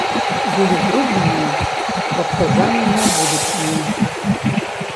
Былі зробленыя прадказанні на будучыню.